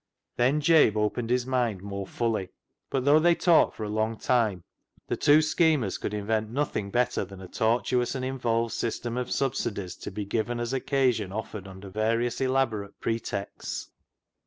Then Jabe opened his mind more fully, but though they talked for a long time, the two schemers could invent nothing better than a tortuous and involved system of subsidies to be given as occasion offered under various elaborate pretexts.